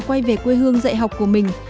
quay về quê hương dạy học của mình